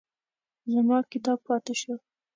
زما کتاب پاتې شو.